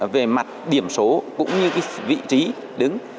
về mặt điểm số cũng như vị trí đứng